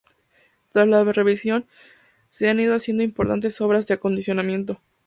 Tras la reversión, se han ido haciendo importantes obras de acondicionamiento.